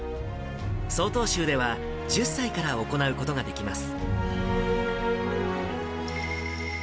曹洞宗では１０歳から行うことができます。